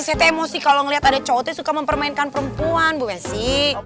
saya emosi kalau ngeliat ada cowoknya suka mempermainkan perempuan bu esy